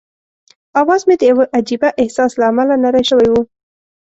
اواز مې د یوه عجيبه احساس له امله نری شوی وو.